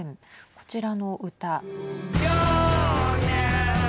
こちらの歌。